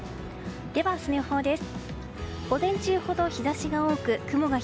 では、明日の予報です。